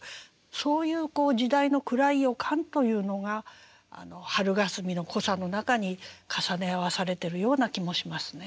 そういう時代の暗い予感というのが「春がすみ」の濃さの中に重ね合わされてるような気もしますね。